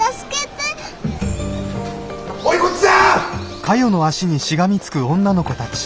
おいこっちだ！